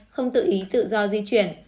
không tự ý tự do di chuyển